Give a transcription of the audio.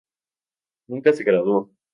Nunca se graduó.